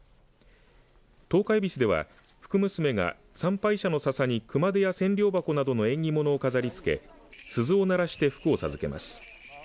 十日えびすでは福娘が参拝者のささに熊手や千両箱などの縁起物を飾りつけ鈴を鳴らして福を授けます。